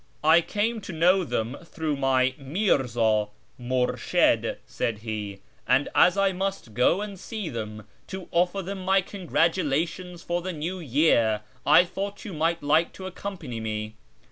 " I came to know them through my Mi'rza {Murshid)" said he, " and as I must go and see them to offer them my congratulations for the New Year, I thought you might like to accompany me.